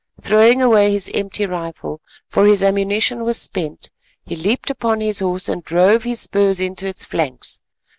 Throwing away his empty rifle, for his ammunition was spent, he leaped upon his horse and drove his spurs into its flanks.